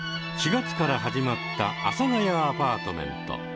４月から始まった「阿佐ヶ谷アパートメント」。